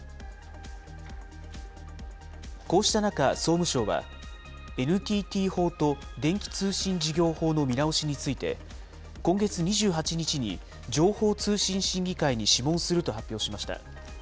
こうした中、総務省はＮＴＴ法と電気通信事業法の見直しについて、今月２８日に情報通信審議会に諮問すると発表しました。